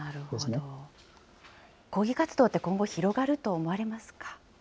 抗議活動って今後、広がると思われますか。